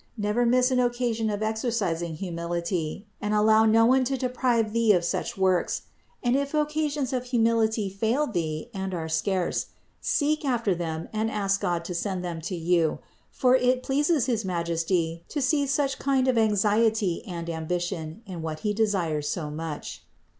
Never miss an occasion of exercising humility and allow no one to deprive thee of such works; and if occasions of humility fail thee and are scarce, seek after them and ask God to send them to you; for it pleases his Majesty to see such kind of anxiety and ambition in what He desires so much.